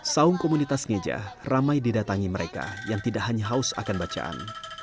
saung komunitas ngeja ramai didatangi mereka yang tidak hanya haus akan bacaan